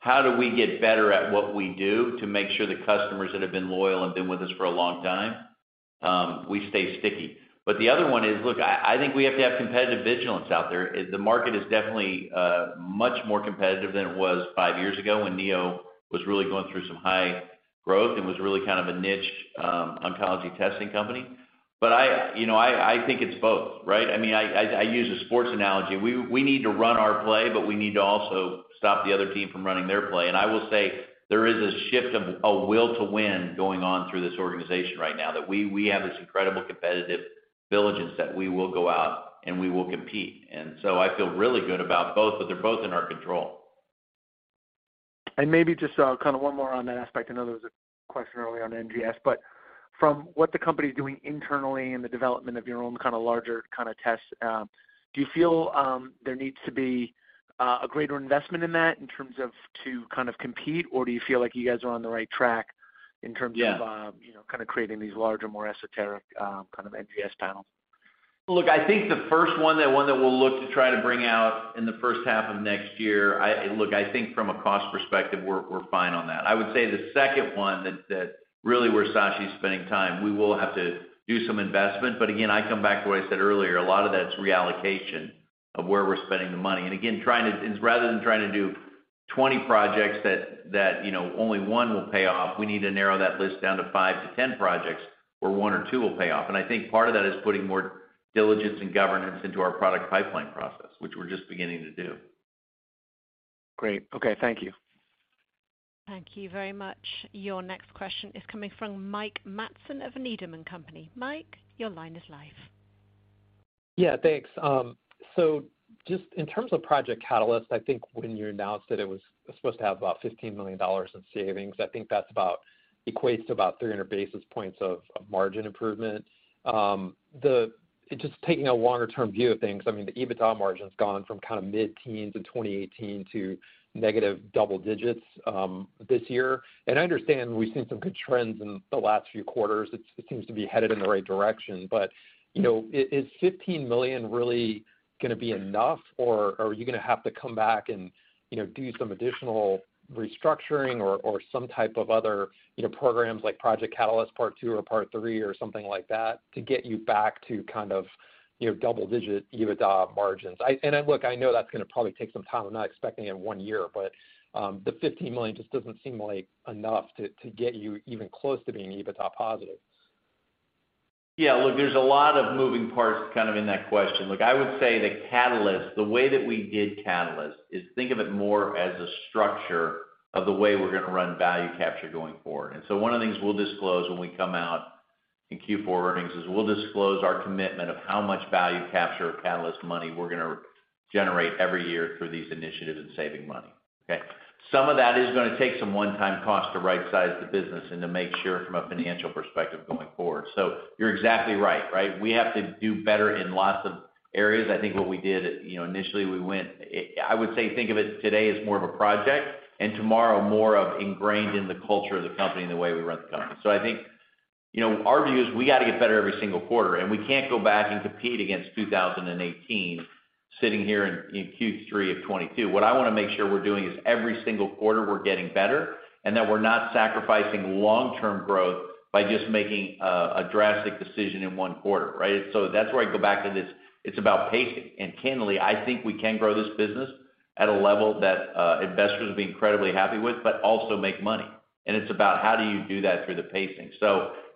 Speaker 2: how do we get better at what we do to make sure the customers that have been loyal and been with us for a long time, we stay sticky. The other one is, look, I think we have to have competitive vigilance out there. The market is definitely much more competitive than it was five years ago when Neo was really going through some high growth and was really kind of a niche oncology testing company. I think it's both, right? I use a sports analogy. We need to run our play, but we need to also stop the other team from running their play. I will say there is a shift of a will to win going on through this organization right now, that we have this incredible competitive diligence that we will go out and we will compete. I feel really good about both, but they're both in our control.
Speaker 16: Maybe just kind of one more on that aspect. I know there was a question earlier on NGS, but from what the company's doing internally in the development of your own kind of larger kind of tests, do you feel there needs to be a greater investment in that in terms of to kind of compete, or do you feel like you guys are on the right track in terms of
Speaker 2: Yeah
Speaker 16: kind of creating these larger, more esoteric, kind of NGS panels?
Speaker 2: Look, I think the first one, the one that we'll look to try to bring out in the first half of next year, look, I think from a cost perspective, we're fine on that. I would say the second one that really where Sashi's spending time, we will have to do some investment. Again, I come back to what I said earlier, a lot of that's reallocation of where we're spending the money. Again, rather than trying to do 20 projects that only one will pay off, we need to narrow that list down to five to 10 projects where one or two will pay off. I think part of that is putting more diligence and governance into our product pipeline process, which we're just beginning to do.
Speaker 16: Great. Okay. Thank you.
Speaker 1: Thank you very much. Your next question is coming from Mike Matson of Needham & Company. Mike, your line is live.
Speaker 17: Thanks. Just in terms of Project Catalyst, I think when you announced that it was supposed to have about $15 million in savings, I think that equates to about 300 basis points of margin improvement. Just taking a longer-term view of things, I mean, the EBITDA margin's gone from mid-teens in 2018 to negative double digits this year. I understand we've seen some good trends in the last few quarters. It seems to be headed in the right direction. Is $15 million really going to be enough, or are you going to have to come back and do some additional restructuring or some type of other programs like Project Catalyst part two or part three or something like that to get you back to double-digit EBITDA margins? Look, I know that's going to probably take some time. I'm not expecting it in one year, the $15 million just doesn't seem like enough to get you even close to being EBITDA positive.
Speaker 2: Yeah, look, there's a lot of moving parts kind of in that question. Look, I would say that Catalyst, the way that we did Catalyst is think of it more as a structure of the way we're going to run value capture going forward. One of the things we'll disclose when we come out in Q4 earnings is we'll disclose our commitment of how much value capture of Catalyst money we're going to generate every year through these initiatives and saving money. Okay? Some of that is going to take some one-time cost to rightsize the business and to make sure from a financial perspective going forward. You're exactly right. We have to do better in lots of areas. I think what we did, initially we went I would say think of it today as more of a project, tomorrow more of ingrained in the culture of the company and the way we run the company. I think our view is we got to get better every single quarter, we can't go back and compete against 2018 sitting here in Q3 of 2022. What I want to make sure we're doing is every single quarter we're getting better and that we're not sacrificing long-term growth by just making a drastic decision in one quarter, right? That's where I go back to this, it's about pacing. Candidly, I think we can grow this business at a level that investors will be incredibly happy with, but also make money. It's about how do you do that through the pacing.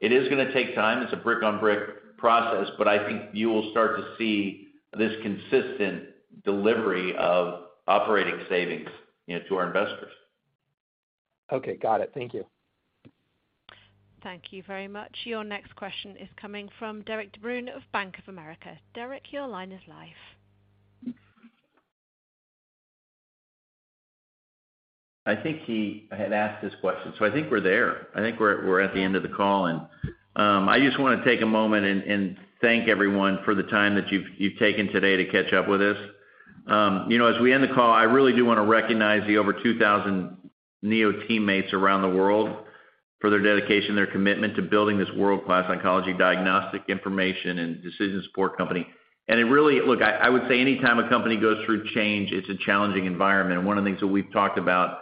Speaker 2: It is going to take time. It's a brick-on-brick process, but I think you will start to see this consistent delivery of operating savings to our investors.
Speaker 17: Okay, got it. Thank you.
Speaker 1: Thank you very much. Your next question is coming from Derek DeBruin of Bank of America. Derek, your line is live.
Speaker 2: I think he had asked this question, so I think we're there. I think we're at the end of the call. I just want to take a moment and thank everyone for the time that you've taken today to catch up with us. As we end the call, I really do want to recognize the over 2,000 Neo teammates around the world for their dedication, their commitment to building this world-class oncology diagnostic information and decision support company. It really Look, I would say anytime a company goes through change, it's a challenging environment. One of the things that we've talked about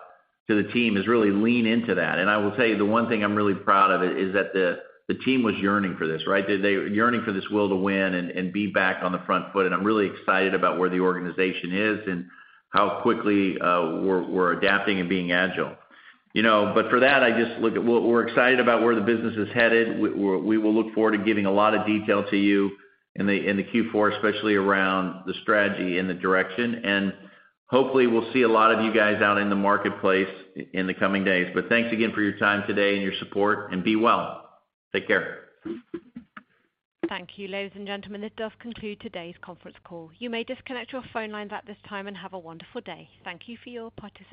Speaker 2: to the team is really lean into that. I will tell you, the one thing I'm really proud of is that the team was yearning for this, right? They were yearning for this will to win and be back on the front foot. I'm really excited about where the organization is and how quickly we're adapting and being agile. For that, I just look at we're excited about where the business is headed. We will look forward to giving a lot of detail to you in the Q4, especially around the strategy and the direction. Hopefully we'll see a lot of you guys out in the marketplace in the coming days. Thanks again for your time today and your support, and be well. Take care.
Speaker 1: Thank you. Ladies and gentlemen, this does conclude today's conference call. You may disconnect your phone lines at this time. Have a wonderful day. Thank you for your participation.